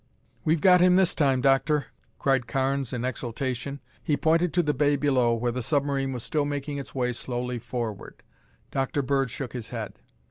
"We've got him this time, Doctor!" cried Carnes in exultation. He pointed to the bay below where the submarine was still making its way slowly forward. Dr. Bird shook his head.